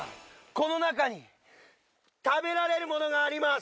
この中に食べられるものがあります